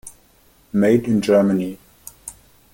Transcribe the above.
Made in Germany.